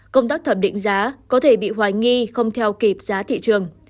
công tác thẩm định giá có thể bị hoài nghi không theo kịp giá thị trường